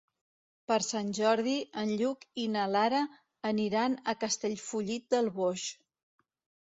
Per Sant Jordi en Lluc i na Lara aniran a Castellfollit del Boix.